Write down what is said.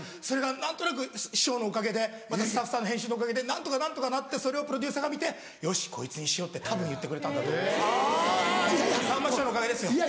それが何となく師匠のおかげでまたスタッフさんの編集のおかげで何とか何とかなってそれをプロデューサーが見てよしこいつにしようってたぶん言ってくれたんだと思います。